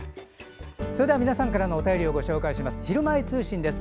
それでは皆さんからのお便りをご紹介する「ひるまえ通信」です。